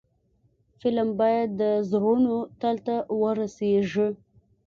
فلم باید د زړونو تل ته ورسیږي